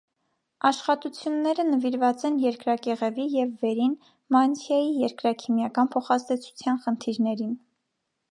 Աշխատությունները նվիրված են երկրակեղևի և վերին մանթիայի երկրաքիմիական փոխազդեցության խնդիրներին։